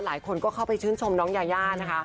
หลายคนก็เข้าไปชื่นชมน้องยายานะคะ